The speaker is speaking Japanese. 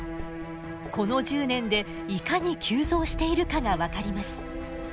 この１０年でいかに急増しているかが分かります。